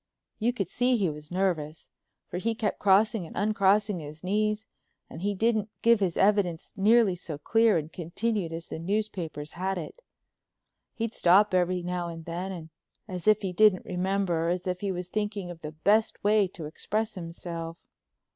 You could see he was nervous, for he kept crossing and uncrossing his knees, and he didn't give his evidence nearly so clear and continued as the newspapers had it. He'd stop every now and then as if he didn't remember or as if he was thinking of the best way to express himself.